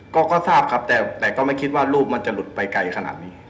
ก็ทราบครับแต่ก็ไม่คิดว่ารูปมันจะหลุดไปไกลขนาดนี้